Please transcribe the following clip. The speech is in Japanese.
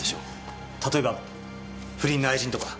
例えば不倫の愛人とか？